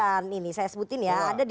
ada ada sudah saya sebutkan ini